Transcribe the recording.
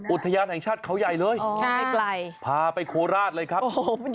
อุทยานแห่งชาติเขาใหญ่เลยพาไปโคราชเลยครับ